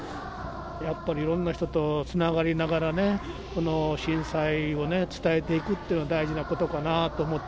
やっぱりいろんな人とつながりながらね、この震災をね、伝えていくというのは大事なことかなと思って、